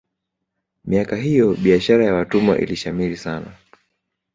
miaka hiyo biashara ya watumwa ilishamiri sana